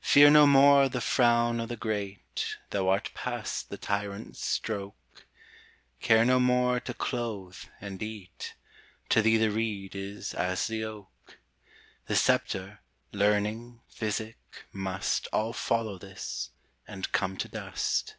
Fear no more the frown o' the great, Thou art past the tyrant's stroke; Care no more to clothe, and eat; To thee the reed is as the oak: The sceptre, learning, physic, must All follow this and come to dust.